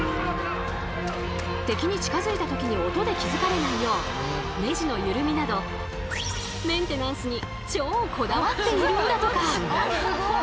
敵に近づいた時に音で気付かれないようネジのゆるみなどメンテナンスに超こだわっているんだとか。